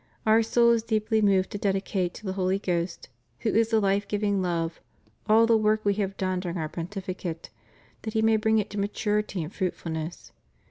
Our soul is deeply moved to dedicate to the Holy Ghost, who is the fife giving Love, all the work We have done during Our pontificate, that He may bring it to maturity and fruitfulness.